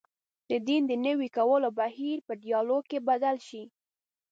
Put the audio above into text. د دین د نوي کولو بهیر په ډیالوګ بدل شي.